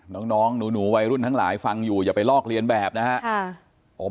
น้องหนูวัยรุ่นทั้งหลายฟังอยู่อย่าไปลอกเรียนแบบนะครับ